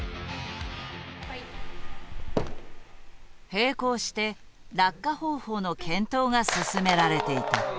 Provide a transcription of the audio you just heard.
並行して落下方法の検討が進められていた。